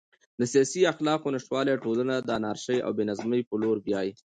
د سیاسي اخلاقو نشتوالی ټولنه د انارشي او بې نظمۍ په لور بیايي.